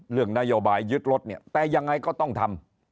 เรื่องนโยบายยึดรถเนี่ยแต่ยังไงก็ต้องทำ